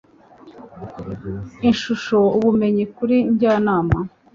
ishusho ubumenyi kuri njyanama